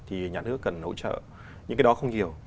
thì nhà nước cần hỗ trợ những cái đó không nhiều